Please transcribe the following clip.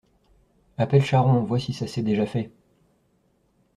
Appelle Charron, vois si ça s’est déjà fait…